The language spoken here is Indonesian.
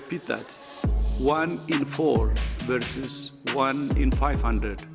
biar saya ulangi satu di empat versus satu di lima ratus